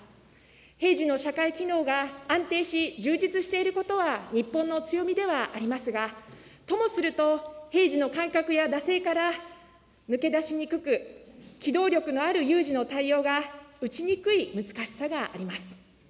平時の社会機能が安定し、充実していることは日本の強みではありますが、ともすると、平時の感覚や惰性から抜け出しにくく、機動力のある有事の対応が打ちにくい難しさがあります。